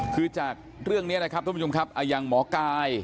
คือจากเรื่องนี้นะครับท่านผู้ชมครับอย่างหมอกาย